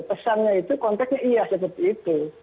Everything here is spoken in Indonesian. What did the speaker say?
pesannya itu konteknya iya seperti itu